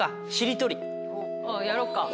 やろっか。